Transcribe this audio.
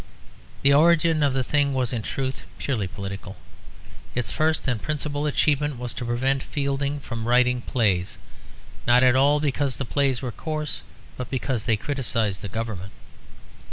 The origin of the thing was in truth purely political. Its first and principal achievement was to prevent Fielding from writing plays; not at all because the plays were coarse, but because they criticised the Government.